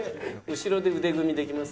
「後ろで腕組みできます？」。